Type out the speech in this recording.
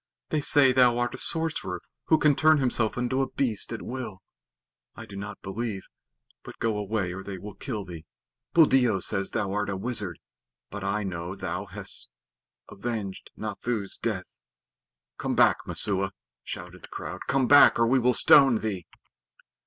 They say thou art a sorcerer who can turn himself into a beast at will. I do not believe, but go away or they will kill thee. Buldeo says thou art a wizard, but I know thou hast avenged Nathoo's death." "Come back, Messua!" shouted the crowd. "Come back, or we will stone thee."